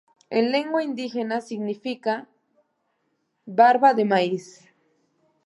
En lengua indígena significa "Barba de maíz".